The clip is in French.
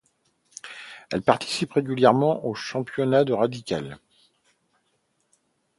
Elle participe régulièrement au championnat de Radical.